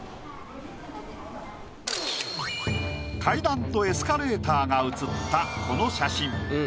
階段とエスカレーターが写ったこの写真。